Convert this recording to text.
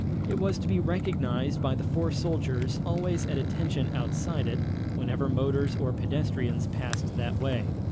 It was to be recognized by the four soldiers always at attention outside it, whenever motors or pedestrians passed that way.